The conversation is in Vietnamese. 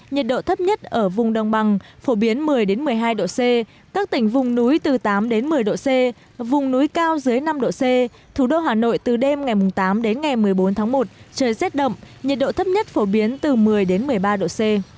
nhiệt độ thấp nhất ở vùng đồng bằng phổ biến một mươi một mươi hai độ c các tỉnh vùng núi từ tám một mươi độ c vùng núi cao dưới năm độ c thủ đô hà nội từ đêm ngày tám đến ngày một mươi bốn tháng một trời rét đậm nhiệt độ thấp nhất phổ biến từ một mươi một mươi ba độ c